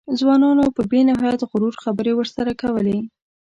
ځوانانو په بې نهایت غرور خبرې ورسره کولې.